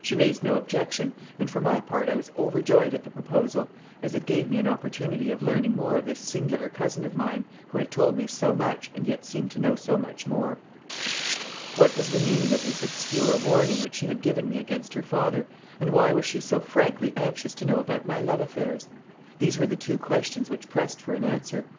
She raised no objection, and for my part I was overjoyed at the proposal, as it gave me an opportunity of learning more of this singular cousin of mine, who had told me so much and yet seemed to know so much more. What was the meaning of this obscure warning which she had given me against her father, and why was she so frankly anxious to know about my love affairs? These were the two questions which pressed for an answer.